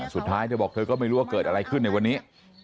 เธอบอกเธอก็ไม่รู้ว่าเกิดอะไรขึ้นในวันนี้